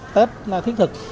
tết thiết thực